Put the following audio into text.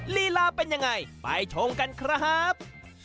ลีลาเป็นยังไงไปชมกันครับ